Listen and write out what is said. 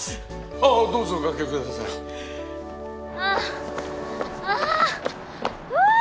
あぁどうぞおかけくださいあぁあぁあぁ！